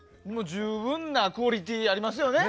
十分なクオリティーありますよね。